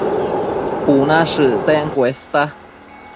Cuna shëcten cuesta